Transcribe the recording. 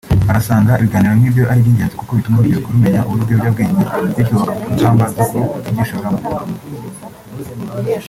arasanga ibiganiro nk’ibyo ari ingenzi kuko bituma urubyiruko rumenya ububi bw’ibiyobyabwenge bityo hagafatwa ingamba zo kutabyishoramo